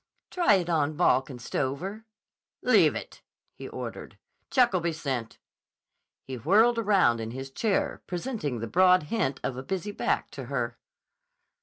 "Try it on Balke & Stover." "Leave it," he ordered. "Check'll be sent." He whirled around in his chair, presenting the broad hint of a busy back to her.